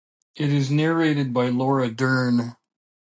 It is narrated by Laura Dern.